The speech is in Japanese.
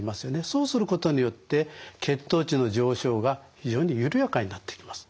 そうすることによって血糖値の上昇が非常に緩やかになっていきます。